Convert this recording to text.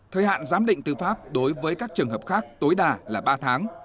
thời hạn giám định tư pháp đối với các trường hợp khác tối đa là ba tháng